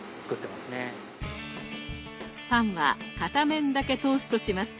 パンは片面だけトーストします。